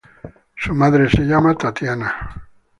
Su madre se llama Tatiana.